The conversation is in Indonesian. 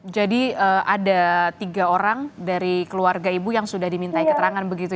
jadi ada tiga orang dari keluarga ibu yang sudah dimintai keterangan begitu ya